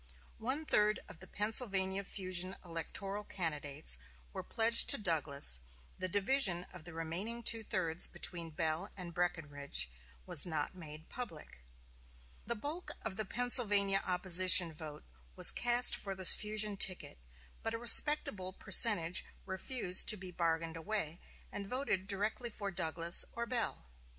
One third of the Pennsylvania fusion electoral candidates were pledged to Douglas; the division of the remaining two thirds between Bell and Breckinridge was not made public. The bulk of the Pennsylvania opposition vote was cast for this fusion ticket, but a respectable percentage refused to be bargained away, and voted directly for Douglas or Bell.